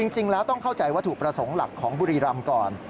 จริงแล้วต้องเข้าใจวัตถุประสงค์หลักของบุรีรำก่อน